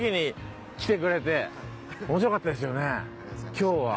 今日は。